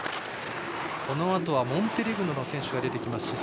このあとはモンテネグロの選手が出てきます。